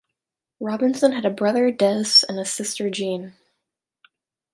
Robinson had a brother, Des, and a sister, Jean.